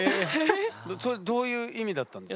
それどういう意味だったんですか？